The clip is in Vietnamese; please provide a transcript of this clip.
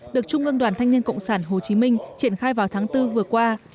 được trung ương đoàn thanh niên cộng sản hồ chí minh triển khai vào tháng bốn vừa qua